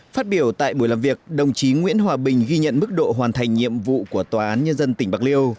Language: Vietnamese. phát biểu tại buổi làm việc đồng chí nguyễn hòa bình ghi nhận mức độ hoàn thành nhiệm vụ của tòa án nhân dân tỉnh bạc liêu